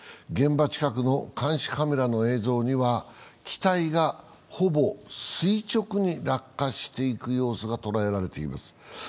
現場近くの監視カメラの映像には、機体が、ほぼ垂直に落下していく様子が捉えられています。